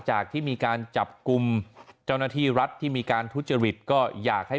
ที่มีการจับกลุ่มเจ้าหน้าที่รัฐที่มีการทุจริตก็อยากให้